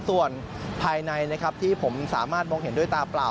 ส่วนภายในนะครับที่ผมสามารถมองเห็นด้วยตาเปล่า